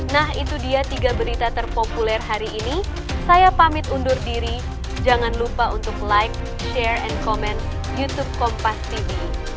nah itu dia tiga berita terpopuler hari ini saya pamit undur diri jangan lupa untuk like share and command youtube kompas tv